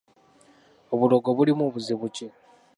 Obulogo bulimu buzibu ki?